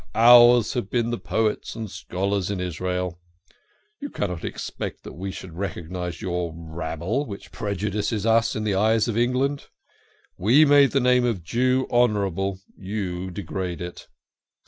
Ours have been the poets and scholars in Israel. You cannot expect that we should recog nise your rabble, which prejudices us in the eyes of England. We made the name of Jew honourable ; you degrade it.